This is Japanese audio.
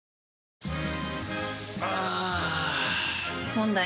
問題。